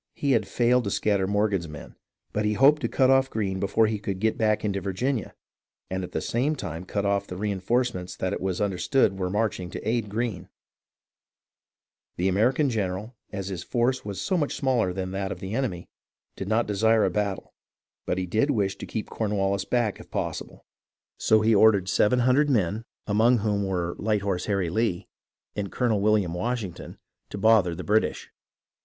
He had failed to scatter Morgan's men, but he hoped to cut off Greene before he could get back into Virginia, and at the same time cut off the reenforcements that it was understood were marching to aid Greene, The American general, as his force was so much smaller than that of the enemy, did not desire a battle ; but he did wish to keep Cornwallis back if possible, so he ordered seven 338 HISTORY OF THE AMERICAN REVOLUTION hundred men, among whom were Light Horse Harry Lee and Colonel William Washington, to bother the British.